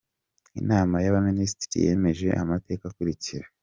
Inama y’Abaminisitiri yemeje Amateka akurikira :